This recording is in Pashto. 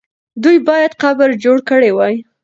دوی باید قبر جوړ کړی وای.